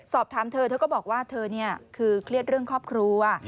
สอบถามเธอเธอก็บอกว่าเธอคือเครียดเรื่องครอบครัว